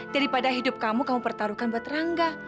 daripada hidup kamu kamu pertaruhkan buat rangga